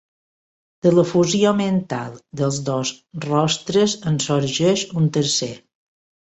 De la fusió mental dels dos rostres en sorgeix un tercer.